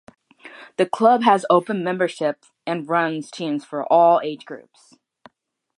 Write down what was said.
The club has open membership and runs teams for all age groups.